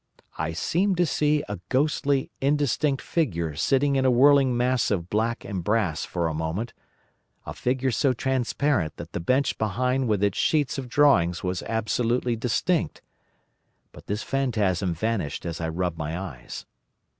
I seemed to see a ghostly, indistinct figure sitting in a whirling mass of black and brass for a moment—a figure so transparent that the bench behind with its sheets of drawings was absolutely distinct; but this phantasm vanished as I rubbed my eyes.